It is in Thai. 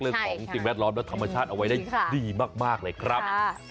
สิ่งแวดล้อมและธรรมชาติเอาไว้ได้ดีมากเลยครับ